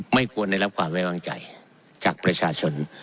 ไม่กลัวในรับความแววงใจจากประชาชน